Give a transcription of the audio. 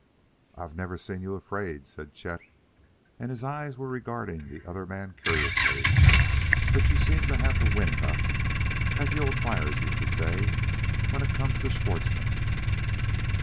"I've never seen you afraid," said Chet; and his eyes were regarding the other man curiously; "but you seem to have the wind up, as the old flyers used to say, when it comes to Schwartzmann."